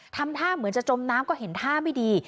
ทำท่าเหมือนจะจมน้ำก็เห็นท่าไม่ดี